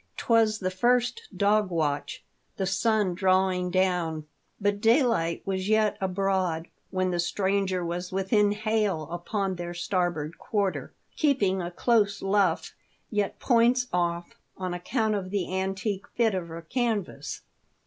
'Twas the first dogwatch ; the sun drawing down ; but daylight was yet abroad, when the stranger was within hail upon their starboard quarter, keeping a close luff, yet points off, on account of the antique fit of her canvas.